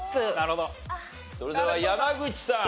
それでは山口さん。